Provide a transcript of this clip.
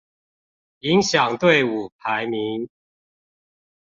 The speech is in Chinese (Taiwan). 影響隊伍排名